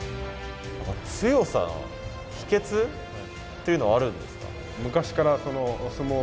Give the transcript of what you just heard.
強さの秘けつというのはあるんですか？